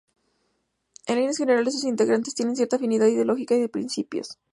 En líneas generales, sus integrantes tienen cierta afinidad ideológica y de principios.